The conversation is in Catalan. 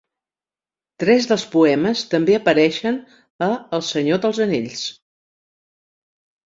Tres dels poemes també apareixen a "El senyor dels anells".